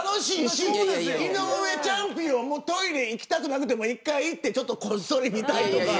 井上チャンピオンもトイレ行きたくなくても１回行ってこっそり見たいとか。